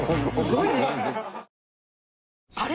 あれ？